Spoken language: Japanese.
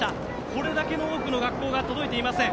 これだけ多くの学校が届いていません。